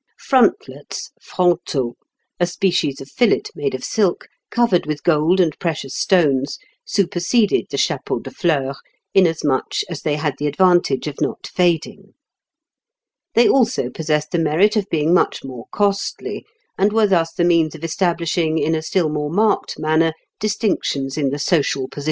Frontlets (fronteaux), a species of fillet made of silk, covered with gold and precious stones, superseded the chapeau de fleurs, inasmuch as they had the advantage of not fading. They also possessed the merit of being much more costly, and were thus the means of establishing in a still more marked manner distinctions in the social positions of the wearers.